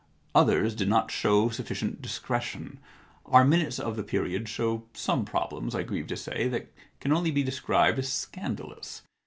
Others did not show sufficient discretion. Our minutes of that period show some problems, I grieve to say, that can only be described as scandalous.